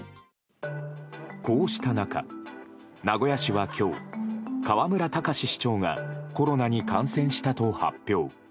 こうした中、名古屋市は今日河村たかし市長がコロナに感染したと発表。